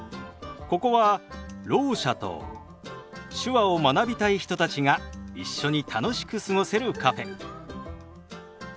ここはろう者と手話を学びたい人たちが一緒に楽しく過ごせるカフェ。